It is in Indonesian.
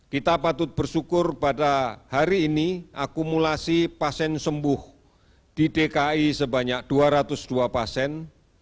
kita patut bersyukur pada hari ini akumulasi pasien sembuh di dki sebanyak dua ratus dua pasien